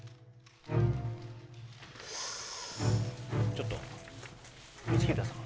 ちょっと光秀さん？